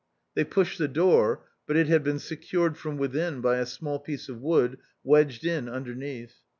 They pushed the door, but it had been secured from within by a small piece of wood wedged in underneath.